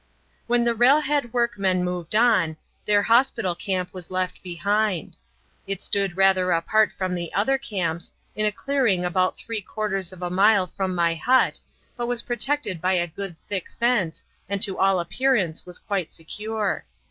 When the railhead workmen moved on, their hospital camp was left behind. It stood rather apart from the other camps, in a clearing about three quarters of a mile from my hut, but was protected by a good thick fence and to all appearance was quite secure.